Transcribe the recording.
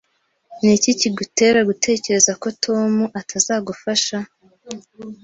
Niki kigutera gutekereza ko Tom atazagufasha?